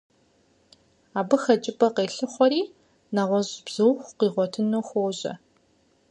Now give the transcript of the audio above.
Абы хэкӀыпӀэ къелъыхъуэри нэгъуэщӀ бзуухъу къигъуэтыну хуожьэ.